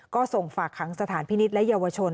ก็ส่งฝากขังสถานพินิษฐ์และเยาวชน